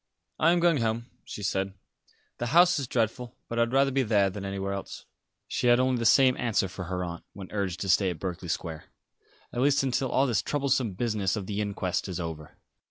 "I am going home," she said. "The house is dreadful; but I would rather be there than anywhere else." She had only the same answer for her aunt, when urged to stay at Berkeley Square, "at least until all this troublesome business of the inquest is over."